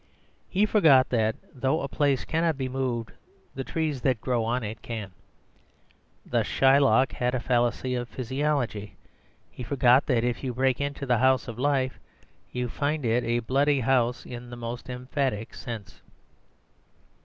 He forgot that, though a place cannot be moved, the trees that grow on it can. Thus Shylock had a fallacy of physiology; he forgot that, if you break into the house of life, you find it a bloody house in the most emphatic sense.